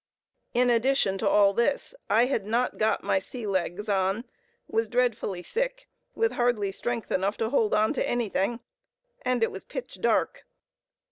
In addition to all this, I had not got my "sea legs" on, was dreadfully sick, with hardly strength enough to hold on to anything, and it was "pitch dark."